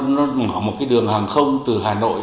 nó mở một đường hàng không từ hà nội